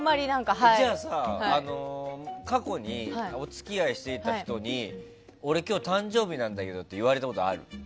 じゃあ過去にお付き合いしていた人に俺、今日誕生日なんだけどって言われたことある？